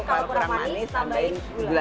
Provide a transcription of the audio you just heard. kalau kurang manis tambahin gula